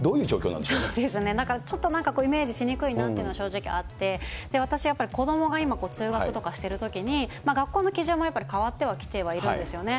なんかちょっとイメージしにくいなっていうのは正直あって、私やっぱり、子どもが今、通学とかしてるときに、学校の基準もやっぱり変わってはきてはいるんですよね。